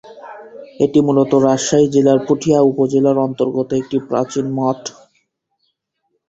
এটি মূলত রাজশাহী জেলার পুঠিয়া উপজেলার অন্তর্গত একটি প্রাচীন মঠ।